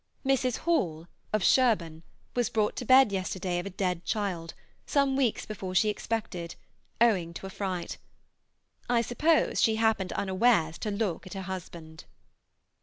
Mrs. Hall, of Sherborne, was brought to bed yesterday of a dead child, some weeks before she expected, owing to a fright. I suppose she happened unawares to look at her husband.